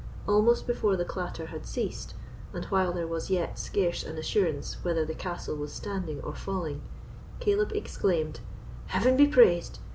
Almost before the clatter had ceased, and while there was yet scarce an assurance whether the castle was standing or falling, Caleb exclaimed, "Heaven be praised!